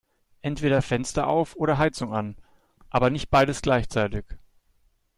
Entweder Fenster auf oder Heizung an, aber nicht beides gleichzeitig!